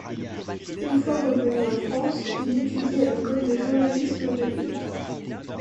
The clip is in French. Une fois revenu en France, il etudie à l'école de journalisme de Lille.